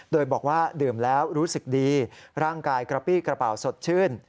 โดยบอกว่าดื่มแล้วรู้สึกดีร่างกายกระปี้กระเป๋าสดชื่น